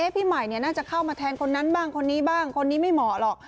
พี่ใหม่น่าจะเข้ามาแทนคนนั้นบ้างคนนี้บ้างคนนี้ไม่เหมาะหรอก